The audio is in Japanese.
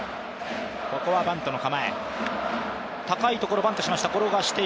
ここはバントの構え。